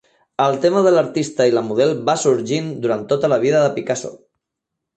El tema de l'artista i la model va sorgint durant tota la vida de Picasso.